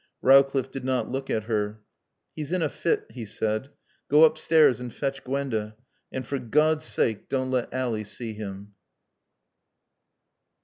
Rowcliffe did not look at her. "He's in a fit," he said. "Go upstairs and fetch Gwenda. And for God's sake don't let Ally see him."